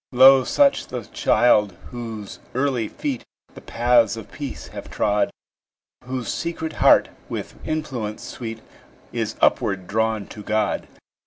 Lo, such the child whose early feet The paths of peace have trod; Whose secret heart, with influence sweet, Is upward drawn to God.